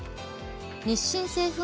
日清製粉